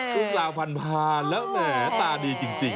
คุณสาวพันภาแล้วแหมตาดีจริง